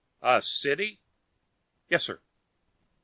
"A city?" "Yes sir."